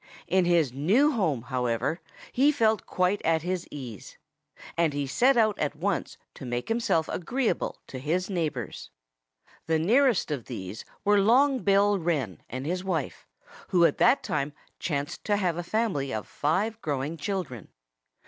In his new home, however, he felt quite at his ease. And he set out at once to make himself agreeable to his neighbors. The nearest of these were Long Bill Wren and his wife, who at that time chanced to have a family of five growing children.